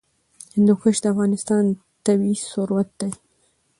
هندوکش د افغانستان طبعي ثروت دی.